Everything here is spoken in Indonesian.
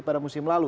pada musim lalu